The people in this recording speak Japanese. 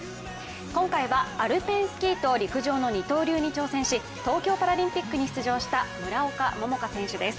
今回はアルペンスキーと陸上の二刀流に挑戦し東京パラリンピックに出場した村岡桃佳選手です。